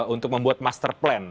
untuk membuat master plan